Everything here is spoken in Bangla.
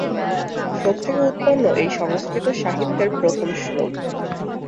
শোক থেকে উৎপন্ন এই সংস্কৃত সাহিত্যের প্রথম শ্লোক।